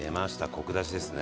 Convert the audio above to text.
コク出しですね。